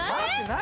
何？